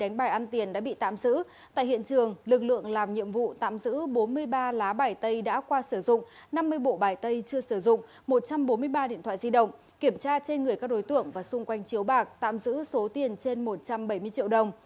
đánh bài ăn tiền đã bị tạm giữ tại hiện trường lực lượng làm nhiệm vụ tạm giữ bốn mươi ba lá bài tay đã qua sử dụng năm mươi bộ bài tay chưa sử dụng một trăm bốn mươi ba điện thoại di động kiểm tra trên người các đối tượng và xung quanh chiếu bạc tạm giữ số tiền trên một trăm bảy mươi triệu đồng